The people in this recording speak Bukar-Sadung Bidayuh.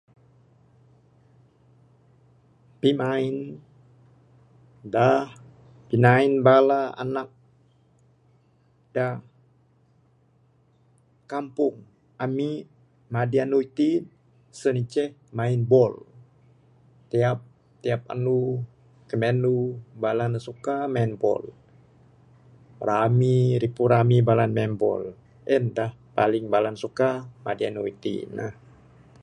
Pimain da pinain bala anak da kampung ami madi andu iti sien inceh main bol. Tiap tiap anu, kamiandu, bala ne suka main bol. Rami ripu rami, bala ne main bol. En da paling bala ne suka, madi andu iti neh.